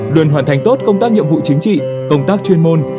luôn hoàn thành tốt công tác nhiệm vụ chính trị công tác chuyên môn